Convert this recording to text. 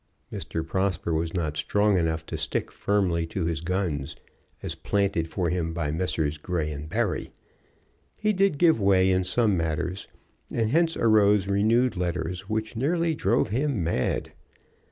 Mr. Prosper was not strong enough to stick firmly to his guns as planted for him by Messrs. Grey & Barry. He did give way in some matters, and hence arose renewed letters which nearly drove him mad.